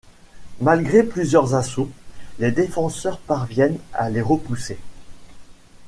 Malgré plusieurs assauts, les défenseurs parviennent à les repousser.